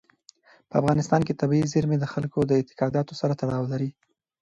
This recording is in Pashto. په افغانستان کې طبیعي زیرمې د خلکو د اعتقاداتو سره تړاو لري.